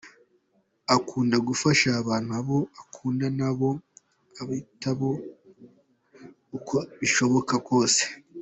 Akunda gufasha abantu, abo akunda nabo abitaho uko bishoboka kose.